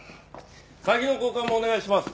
鍵の交換もお願いします。